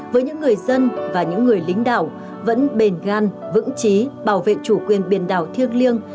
với những người dân và những người lính đảo vẫn bền gan vững chí bảo vệ chủ quyền biển đảo thiêng liêng